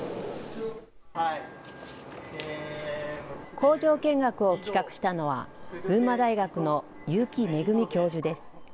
工場見学を企画したのは、群馬大学の結城恵教授です。